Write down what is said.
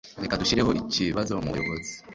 Reka dushyireho iki bazo mu bayobozi